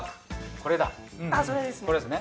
これですね。